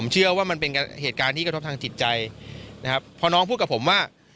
เชื่อว่ามันเป็นเหตุการณ์ที่ให้พักทางติดใจว่ะ